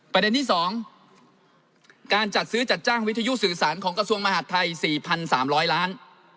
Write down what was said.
ประเด็นที่๒การจัดซื้อจัดจ้างวิทยุสื่อสารของกระทรวงมหาดไทย๔๓๐๐ล้าน